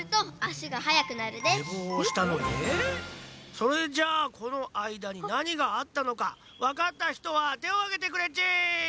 それじゃあこのあいだになにがあったのかわかったひとはてをあげてくれっち！